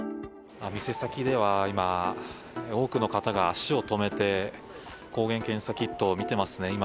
店先では今、多くの方が足を止めて抗原検査キットを見ていますね。